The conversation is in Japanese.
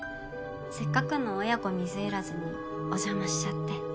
せっかくの親子水入らずにお邪魔しちゃって。